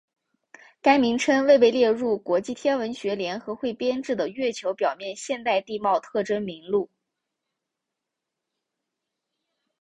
该名称未被列入国际天文学联合会编制的月球表面现代地貌特征名录。